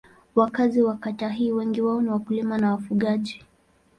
Wakazi wa kata hii wengi wao ni wakulima na wafugaji.